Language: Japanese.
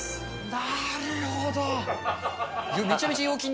なるほど。